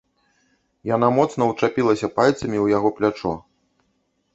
Яна моцна ўчапілася пальцамі ў яго плячо.